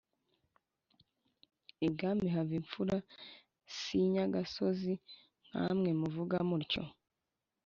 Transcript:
ibwami hava imfura sinyagasozi nkamwe muvuga mutyo: